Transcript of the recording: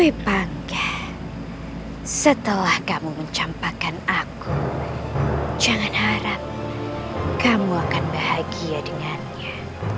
dwi pange setelah kamu mencampakkan aku jangan harap kamu akan bahagia dengannya